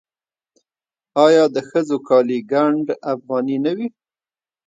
آیا د ښځو کالي ګنډ افغاني نه وي؟